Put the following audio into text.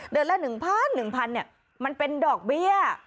เดือนละหนึ่งพันหนึ่งพันเนี้ยมันเป็นดอกเบี้ย